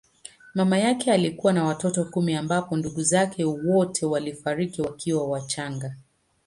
Mama yake alikuwa na watoto kumi ambapo ndugu zake wote walifariki wakiwa wachanga.